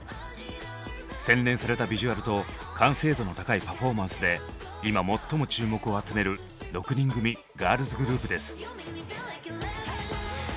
洗練されたビジュアルと完成度の高いパフォーマンスで今最も注目を集める６人組ガールズグループです。